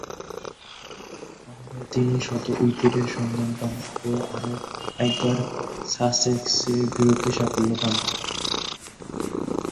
আবারও তিনি শত উইকেটের সন্ধান পান ও আরও একবার সাসেক্সের বিপক্ষে সাফল্য পান।